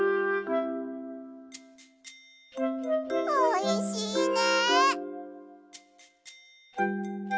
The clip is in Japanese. おいしいね。